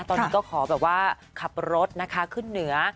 ตอนนี้ก็ขอแบบว่าขับรถนะคะขึ้นเหนือ